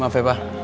maaf ya pak